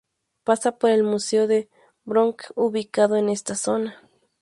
Pasa por el Museo de Brooklyn ubicado en esta zona.